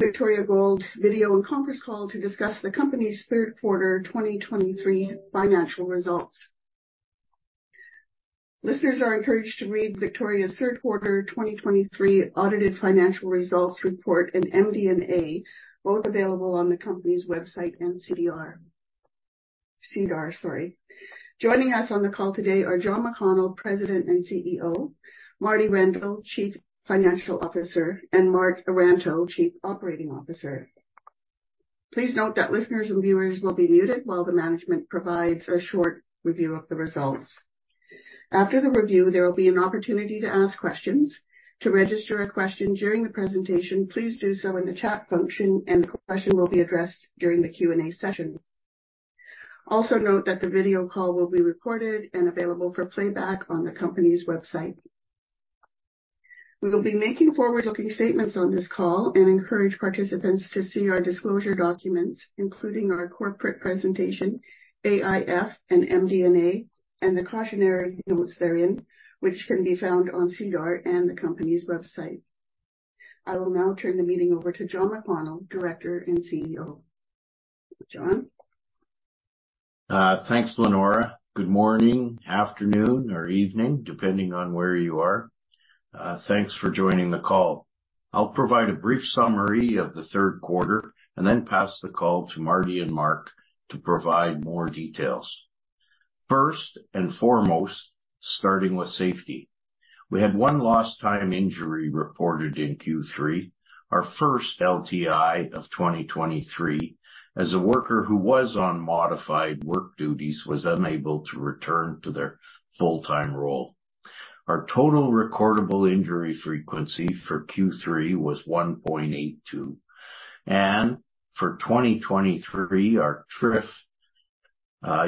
Victoria Gold video and conference call to discuss the company's Q3 2023 Financial Results. Listeners are encouraged to read Victoria's Q3 2023 audited financial results report and MD and A, both available on the company's website and SEDAR, sorry. Joining us on the call today are John McConnell, President and CEO Marty Randle, Chief Financial Officer and Mark Aranteau, Chief Operating Officer. Please note that listeners and viewers will be muted while the management provides a short review of the results. After the review, there will be an opportunity to ask question during the presentation, please do so in the chat function and the question will be addressed during the Q and A session. Also note that the video call will be recorded and available for playback on the company's website. Will be making forward looking statements on this call and encourage participants to see our disclosure documents, including our corporate presentation, AIF and MD and A and the cautionary notes therein, which can be found on SEDAR and the company's website. I will now turn the meeting over to John McWonnell, Director and CEO. John? Thanks, Leonora. Good morning, afternoon or evening depending on where you are. Thanks for joining the call. I'll provide a brief summary of the 3rd quarter and then pass the call to Marty and Mark to provide more details. 1st and foremost, Starting with safety, we had one lost time injury reported in Q3, our first LTI of 2023 as a worker who was on modified work duties was unable to return to their full time role. Our total recordable injury frequency for Q3 was 1.82. And for 2023, our TRIF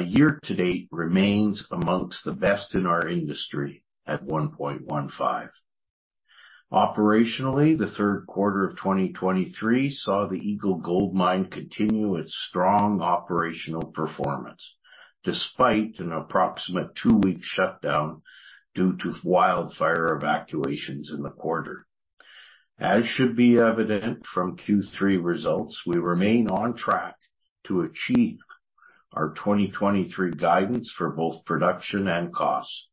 year to date remains amongst the best in our industry at 1.15. Operationally, the Q3 of 2023 saw the Eagle Gold Mine continue its strong operational performance despite an approximate 2 week shutdown due to wildfire evacuations in the quarter. As should be evident from Q3 results, we remain on track to achieve our 2023 guidance for both production and costs.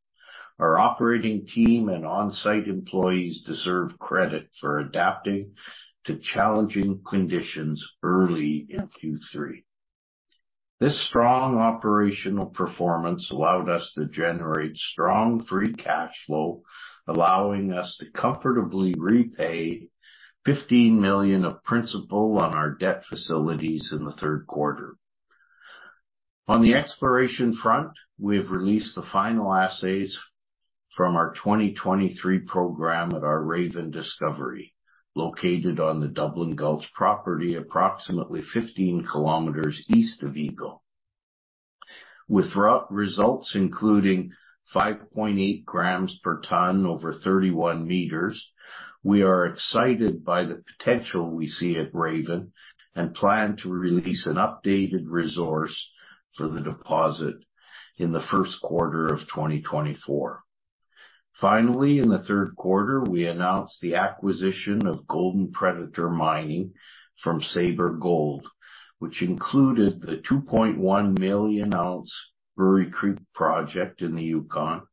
Our operating team and on-site employees deserve credit for adapting to challenging conditions early in Q3. This strong operational performance allowed us to generate strong free cash flow allowing us to comfortably repay $15,000,000 of principal on our debt facilities in the 3rd quarter. On the exploration front, we have released the final assays from our 2023 program at our Raven Discovery located on the Dublin Gulch property approximately 15 kilometers east of Eagle, With results including 5.8 grams per tonne over 31 meters, We are excited by the potential we see at Raven and plan to release an updated resource for the deposit in the Q1 of 2024. Finally, in the Q3, we announced the acquisition of Golden Predator Mining from Sabre Gold, which included the 2,100,000 ounce Brewery Creek project in the Yukon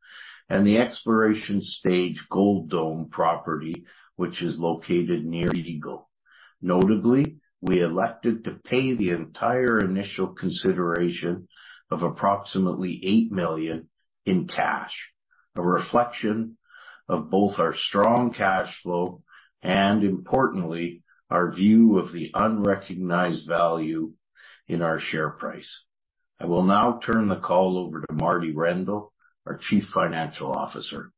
and the exploration stage Gold Dome property, which is located near Ride Eagle. Notably, we elected to pay the entire initial consideration of approximately $8,000,000 in cash, a reflection of both our strong cash flow and importantly, our view of the unrecognized value in our share price. I will now turn the call over to Marty Rendle, our Chief Financial Officer.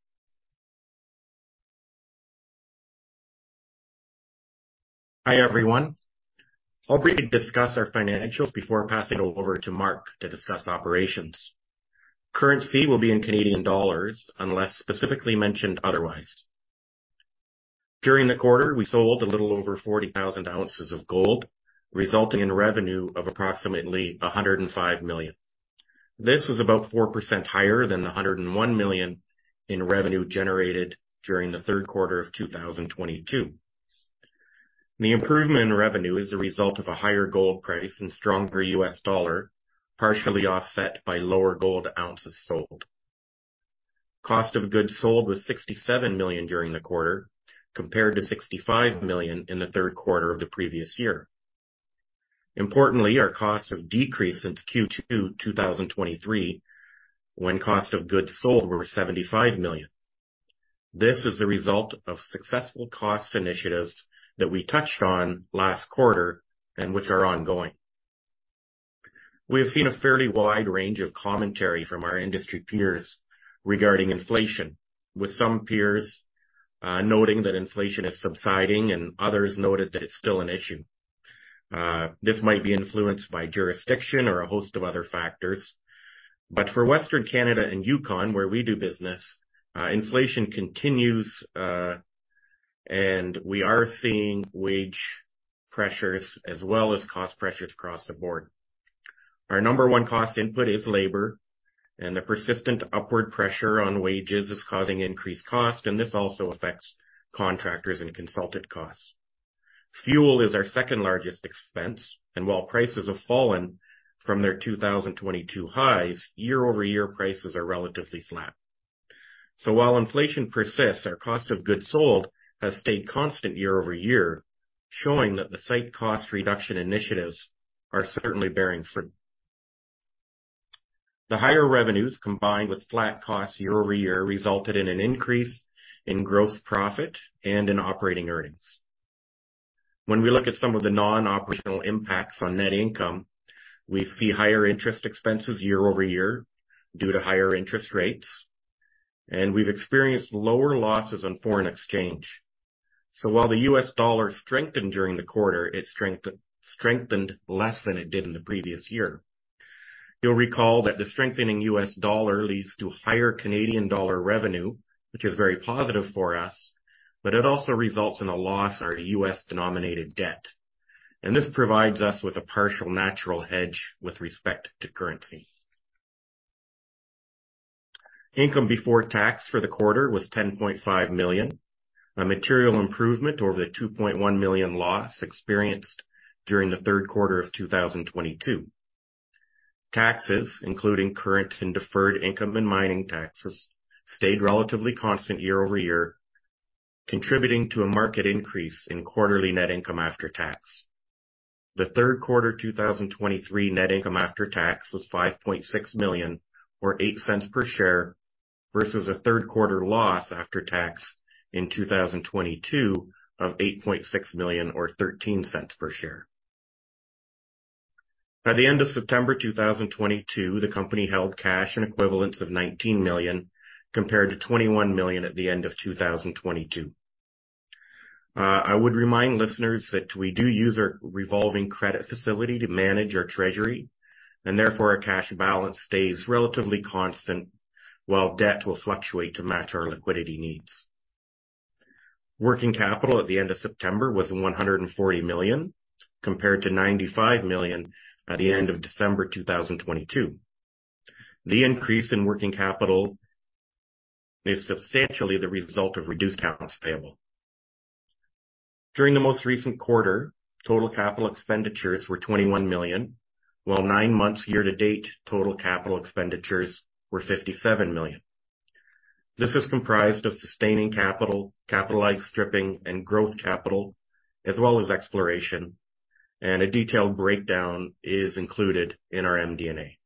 Hi, everyone. I'll briefly discuss our financials before passing it over to Mark to operations. Currency will be in Canadian dollars unless specifically mentioned otherwise. During the quarter, we sold a little over 40,000 ounces of gold, resulting in revenue of approximately 105,000,000 This was about 4% higher than the $101,000,000 in revenue generated during the Q3 of 2022. The improvement in revenue is a result of a higher gold price and stronger U. S. Dollar, partially offset by lower gold ounces sold. Cost of goods sold was $67,000,000 during the quarter compared to $65,000,000 in the Q3 of the previous year. Importantly, our costs have decreased since Q2 2023 when cost of goods sold were 75,000,000 This is the result of successful cost initiatives that we touched on last quarter and which are ongoing. We have seen a fairly wide range of commentary from our industry peers regarding inflation, with some peers noting that inflation is subsiding and others noted that it's still an issue. This might be influenced by jurisdiction or a host of other factors. But for Western Canada and Yukon, where we do business, inflation continues and we are seeing wage pressures as well as cost pressures across the board. Our number one cost input is labor and the persistent upward pressure on wages is causing increased cost and this also affects contractors and consulted costs. Fuel is our 2nd largest expense and while prices have fallen from their 2022 highs, year over year prices are relatively flat. So while inflation persists, our cost of goods sold has stayed constant year over year, showing that the site cost reduction initiatives are certainly bearing fruit. The higher revenues combined with flat costs year over year resulted in an increase in gross profit and in operating earnings. When we look at some of the non operational impacts on net income, We see higher interest expenses year over year due to higher interest rates and we've experienced lower losses on foreign exchange. So while the U. S. Dollar strengthened during the quarter, it strengthened less than it did in the previous year. You'll recall that the strengthening U. S. Dollar leads to higher Canadian dollar revenue, which is very positive for us, but it also results in a loss in our U. S. Denominated debt. And this provides us with a partial natural hedge with respect to currency. Income before tax for the quarter was $10,500,000 a material improvement over the $2,100,000 loss experienced during the Q3 of 2022. Taxes, including current and deferred income and mining taxes, stayed relatively constant year over year, contributing to a market increase in quarterly net income after tax. The Q3 2023 net income after tax was $5,600,000 or $0.08 per share versus a 3rd quarter loss after tax in 2022 of $8,600,000 or $0.13 per share. By the end of September 2022, the company held cash and equivalents of $19,000,000 compared to $21,000,000 at the end of 2022. I would remind listeners that we do use our revolving credit facility to manage our treasury and therefore our cash balance stays relatively constant while debt will fluctuate to match our liquidity needs. Working capital at the end of September was $140,000,000 compared to $95,000,000 at the end of December 2022. The increase in working capital is substantially the result of reduced accounts payable. During the most recent quarter, total capital expenditures were $21,000,000 while 9 months year to date total capital expenditures were $57,000,000 This is comprised of sustaining capital, capitalized stripping and growth capital as well as exploration and a detailed breakdown is included in our MD and A.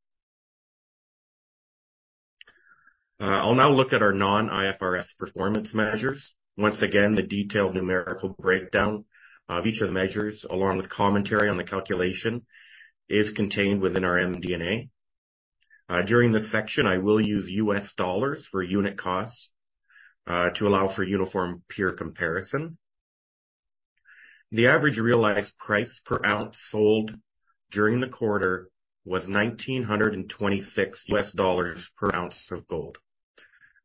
I'll now look at our non IFRS performance measures. Once again, the detailed numerical breakdown of each of the measures along with commentary on the calculation is contained within our MD and A. During this section, I will use U. S. Dollars for unit costs to allow for uniform peer comparison. The average realized price per ounce sold during the quarter was US1926 dollars per ounce of gold.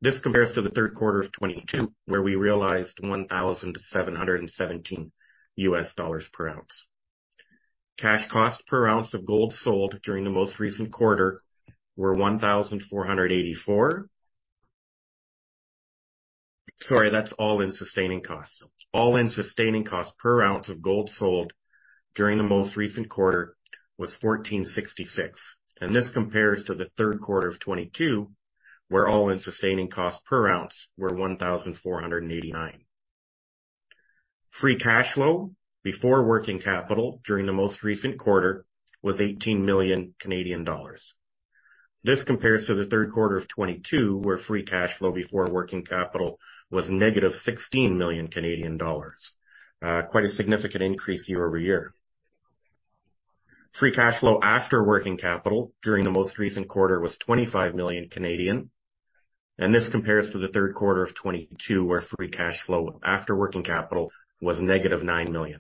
This compares to the Q3 of 2022, where we realized US1717 dollars per ounce. Cash cost per ounce of gold sold during the most recent quarter were 1484 sorry, that's all in sustaining costs. All in sustaining costs per ounce of gold sold during the most recent quarter was $14.66 and this compares to the Q3 of 2022 where all in sustaining cost per ounce were 14.89 Free cash flow before working capital during the most recent quarter was 18 million Canadian dollars. This compares to the Q3 of 2022 where free cash flow before working capital was negative CAD16 1,000,000 quite a significant increase year over year. Free cash flow after working capital during the most recent quarter was CAD25 1,000,000 And this compares to the Q3 of 2022 where free cash flow after working capital was negative 9,000,000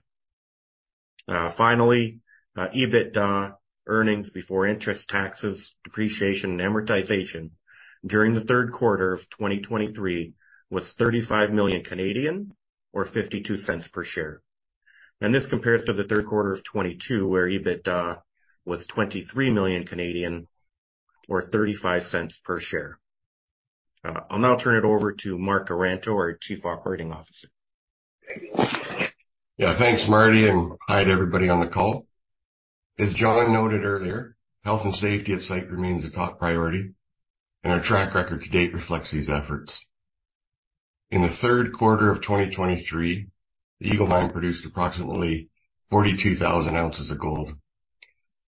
Finally, EBITDA earnings before interest, taxes, depreciation and amortization during the Q3 of 2023 was CAD35 1,000,000 or 0.52 per share. And this compares to the Q3 of 2022 where EBITDA was 23 million or 0.35 per share. I'll now turn it over to Mark Arante, our Chief Operating Officer. Yes. Thanks, Marty, and hi to everybody on the call. As John noted earlier, health and safety at site remains a top priority and our track record to date reflects these efforts. In the Q3 of 2023, the Eagle Mine produced approximately 42,000 ounces of gold.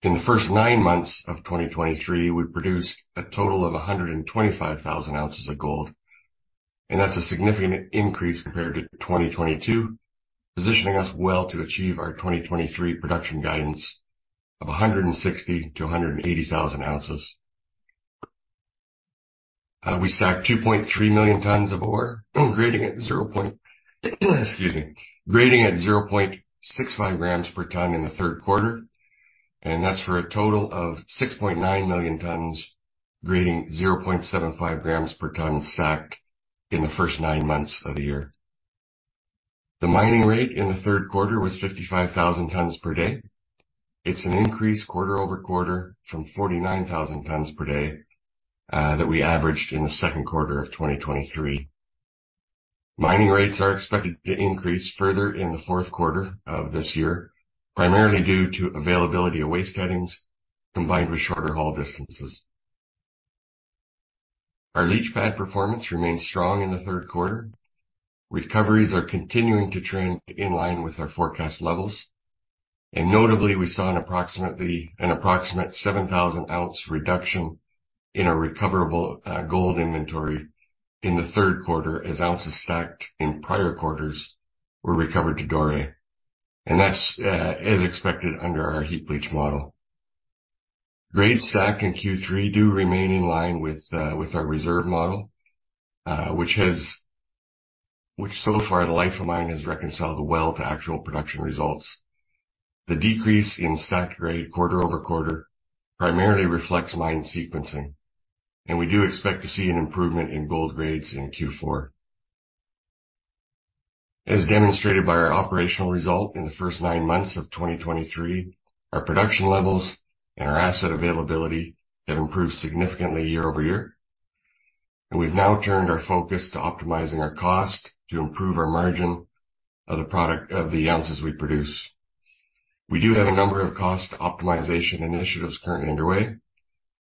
In the 1st 9 months of 2023, we produced a total of 125,000 ounces of gold and that's a significant increase compared to 2022, positioning us well to achieve our 2023 production guidance of 160,000 to 180,000 ounces. We stacked 2,300,000 tons of ore grading at 0.65 grams per ton in the 3rd quarter And that's for a total of 6,900,000 tons grading 0.75 grams per ton stacked in the 1st 9 months of the year. The mining rate in the Q3 was 55,000 tonnes per day. It's an increase quarter over quarter from 49,000 tonnes per day that we averaged in the Q2 of 2023. Mining rates are expected to increase further in the Q4 of this year, primarily due to availability of waste headings combined with shorter haul distances. Our leach pad performance remains strong in the 3rd quarter. Recoveries are continuing to trend in line with our forecast levels. And notably, we saw an approximate 7,000 ounce reduction in our recoverable gold inventory in the Q3 as ounces stacked in prior quarters were recovered to dore and that's as expected under our heap leach model. Grade 2Q3 do remain in line with our reserve model, which has which so far the life of mine has reconciled well to actual production results. The decrease in stacked grade quarter over quarter primarily reflects mine sequencing, and we do expect to see an improvement in gold grades in Q4. As demonstrated by our operational result in the 1st 9 months of 2023, our production levels and our asset availability have improved significantly year over year, and we've now turned our focus to optimizing our cost to improve our margin of the product of the ounces we produce. We do have a number of cost optimization initiatives currently underway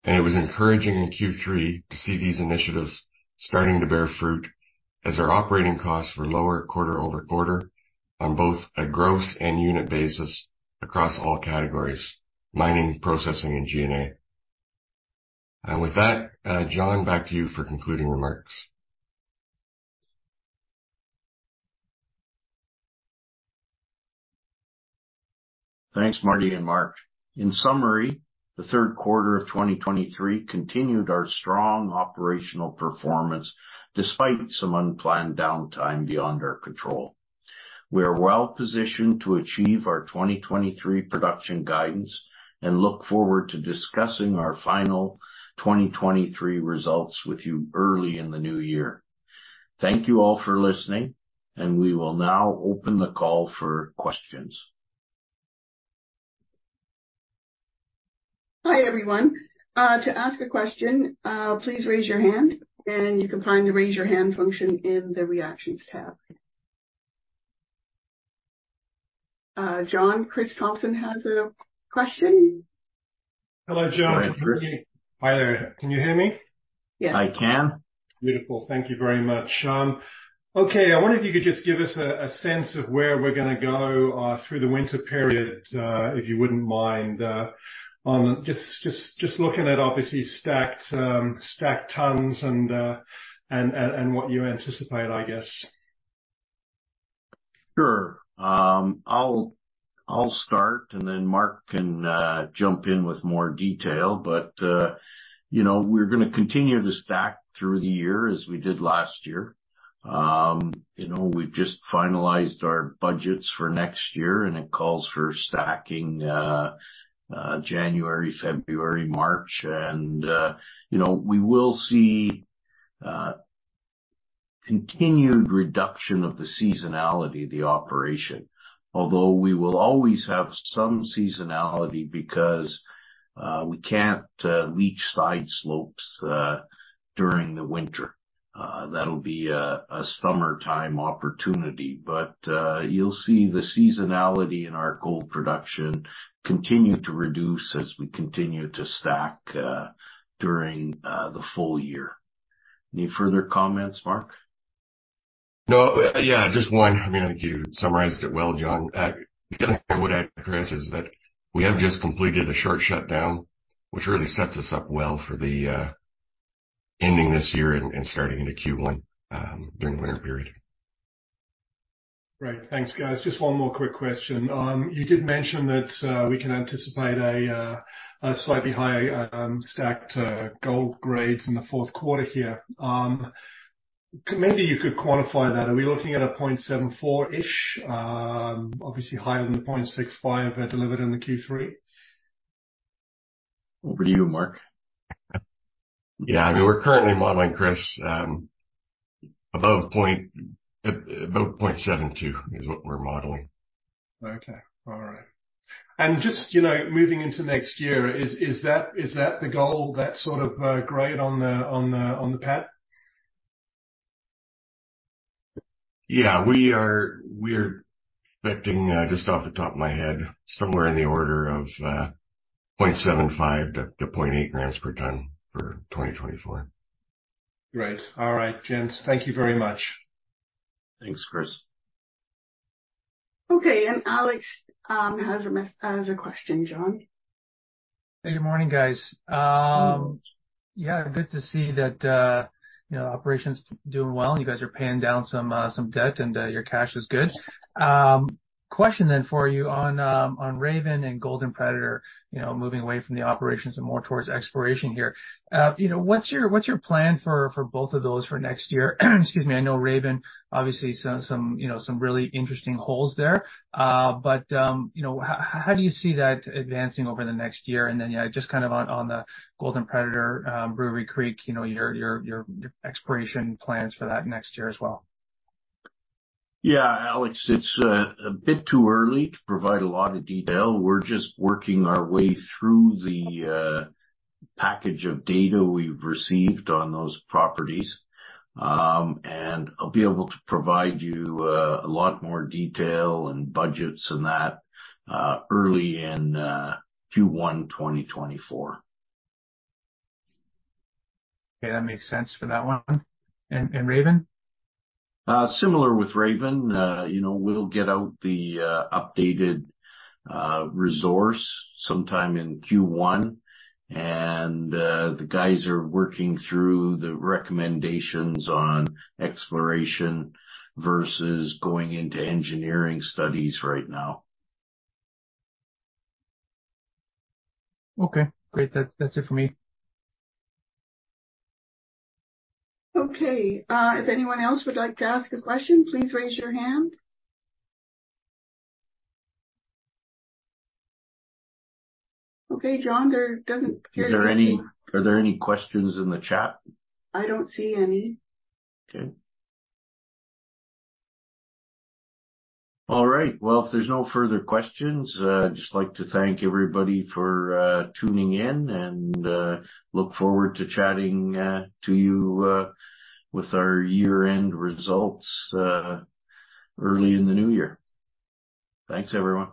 And it was encouraging in Q3 to see these initiatives starting to bear fruit as our operating costs were lower quarter over quarter on both a gross and unit basis across all categories, mining, processing and G and A. And with that, John, back to you for concluding remarks. Thanks, Marty and Mark. In summary, the Q3 of 2023 continued our strong operational performance despite some unplanned downtime beyond our control. We are well positioned to achieve our 2023 production guidance and look forward to discussing our final 2023 results with you early in the New Year. Thank you all for listening. And we will now open the call for questions. John Kristoffson has a question. Hello, John. Hi, Chris. Hi, there. Can you hear me? Yes. I can. Beautiful. Thank you very much. Okay. I wonder if you could just give us a sense of where we're going to go through the winter period, if you wouldn't mind. Just looking at obviously stacked tons and what you anticipate, I guess? Sure. I'll start and then Mark can jump in with more detail. But we're going to continue to stack through the year as we did last year. We've just finalized our budgets for next year and it calls for stacking January, February, March. And we will see continued reduction of the seasonality of the operation, although we will always have some seasonality because We can't leach side slopes during the winter. That'll be a summertime opportunity. But you'll see the seasonality in our gold production continue to reduce as we continue to stack during the full year. Any further comments, Mark? No. Yes, just one. I mean, you summarized it well, John. Chris is that we have just completed a short shutdown, which really sets us up well for the ending this year and starting into Q1 during the winter period. Great. Thanks, guys. Just one more Quick question. You did mention that we can anticipate a slightly higher stacked gold grades in the Q4 here. Maybe you could quantify that. Are we looking at a 0.74 ish, obviously higher than the 0.65 that delivered in the Q3? Over to you, Mark. Yes. I mean, we're currently modeling Chris above 0 About 0.72 is what we're modeling. Okay. All right. And just moving into next year. Is that the goal that sort of grade on the path? Yes, we are expecting just off the top of my head somewhere in the order of 0 0.75 to 0.8 grams per ton for 2024. Great. All right, gents. Thank you very much. Thanks, Chris. Okay. And Alex has a question, John. Hey, good morning, guys. Yes, good to see that operations doing well. You guys are paying down some debt and your cash is good. Question then for you on Raven and Golden Predator moving away from the operations and more towards exploration here. What's your plan for both of those for of those for next year. Excuse me, I know Raven obviously saw some really interesting holes there. But how do you see that advancing over the next And then, yes, just kind of on the Golden Predator Brewery Creek, your expiration plans for that next year as well? Yes, Alex, it's a bit too early to provide a lot of detail. We're just working our way through the package of data we've received on those properties. And I'll be able to provide you a lot more detail and budgets in that early in Q1 2024. Okay. That makes sense for that one. And Raven? Similar with Raven, we'll get out the updated resource sometime in Q1. And the guys are working through the recommendations on exploration versus going into engineering studies right now. Okay. Great. That's it for me. Okay. If anyone else would like to ask a question, please raise your hand. Okay, John, there doesn't Are there any questions in the chat? I don't see any. Okay. All right. Well, if there's further questions, I'd just like to thank everybody for tuning in and look forward to chatting to you with our year end results early in the New Year. Thanks, everyone.